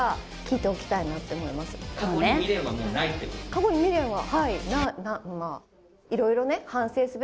過去に未練は。